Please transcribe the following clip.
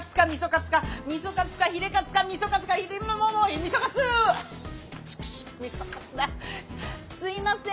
すいません！